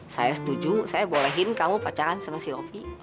saya setuju saya bolehin kamu pacaran sama si opi